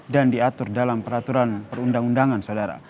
dan diatur dalam peraturan perundang undangan saudara